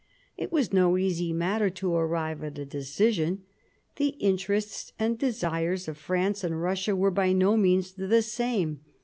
It was no easy matter to arrive at a decision. The interests and desires of France and Russia were by no means the same.